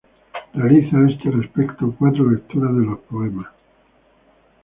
Realiza a este respecto cuatro lecturas de los poemas.